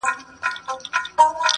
عقل او زړه يې په کعبه کي جوارې کړې ده,